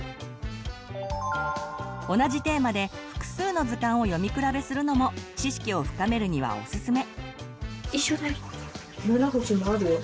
同じテーマで複数の図鑑を読み比べするのも知識を深めるにはおすすめ。